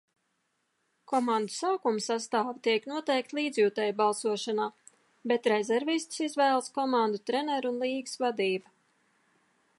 Komandu sākumsastāvi tiek noteikti līdzjutēju balsošanā, bet rezervistus izvēlas komandu treneri un līgas vadība.